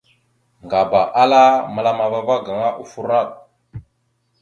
Ŋgaba ala məla ava gaŋa offor naɗ.